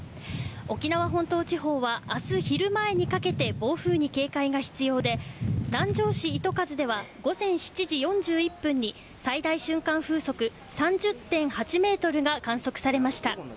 沖縄本島地方は明日昼前にかけて暴風に警戒が必要で南城市糸数では午前７時４１分に最大瞬間風速３０．８メートルが観測されました。